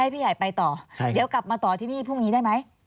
พี่เหล็กกลับมาต่อที่นี่พรุ่งนี้ได้ไหม